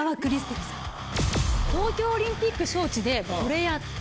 東京オリンピック招致でコレやって。